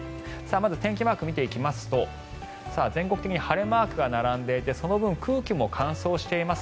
まず天気マーク見ていきますと全国的に晴れマークが並んでいてその分、空気も乾燥しています。